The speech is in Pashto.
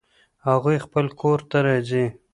هغوی خپل کور ته راځي